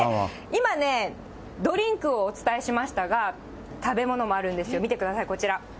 今ね、ドリンクをお伝えしましたが、食べ物もあるんですよ、見てください、こちら。